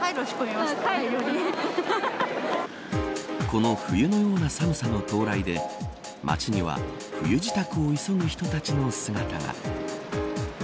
この冬のような寒さの到来で街には冬支度を急ぐ人たちの姿が。